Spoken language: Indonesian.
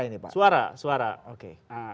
ini pak suara suara oke